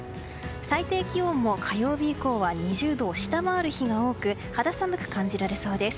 最低気温も火曜日以降は２０度を下回る日が多く肌寒く感じられそうです。